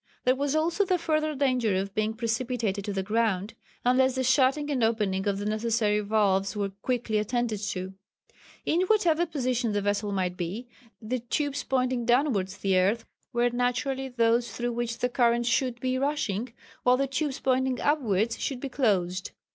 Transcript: There was also the further danger of being precipitated to the ground, unless the shutting and opening of the necessary valves were quickly attended to. In whatever position the vessel might be, the tubes pointing towards the earth were naturally those through which the current should be rushing, while the tubes pointing upwards should be closed.